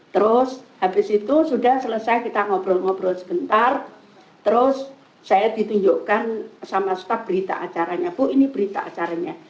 terus habis itu sudah selesai kita ngobrol ngobrol sebentar terus saya ditunjukkan sama staf berita acaranya bu ini berita acaranya